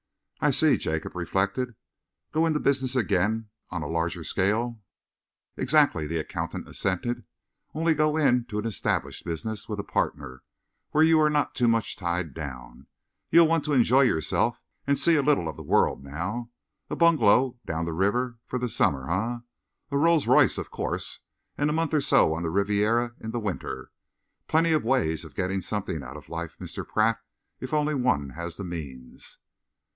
"I see," Jacob reflected. "Go into business again on a larger scale?" "Exactly," the accountant assented, "only, go into an established business, with a partner, where you are not too much tied down. You'll want to enjoy yourself and see a little of the world now. A bungalow down the river for the summer, eh? A Rolls Royce, of course, and a month or so on the Riviera in the winter. Plenty of ways of getting something out of life, Mr. Pratt, if only one has the means."